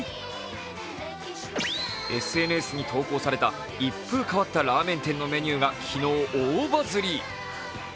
ＳＮＳに投稿された一風変わったラーメン店のメニューが昨日、大バズり。